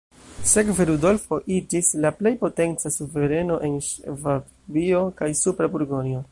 Sekve Rudolfo iĝis la plej potenca suvereno en Ŝvabio kaj Supra Burgonjo.